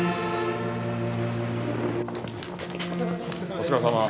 お疲れさまです！